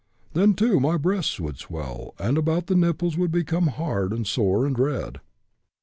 Then, too, my breasts would swell, and about the nipples would become hard and sore and red.